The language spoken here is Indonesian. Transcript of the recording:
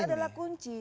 elit adalah kunci